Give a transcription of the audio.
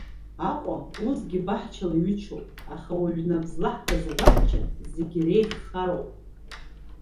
Аҟәа усгьы баҳчала иҩычоуп, аха уажә нап злаҳкыз абаҳча зегьы иреиӷьхароуп.